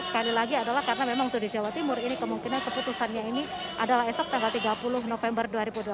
sekali lagi adalah karena memang itu di jawa timur ini kemungkinan keputusannya ini adalah esok tanggal tiga puluh november